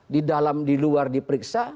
di dalam di luar diperiksa